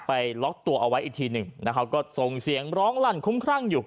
ล็อกตัวเอาไว้อีกทีหนึ่งนะครับก็ส่งเสียงร้องลั่นคุ้มครั่งอยู่